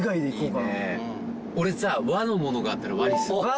俺さ和のものがあったら和にする。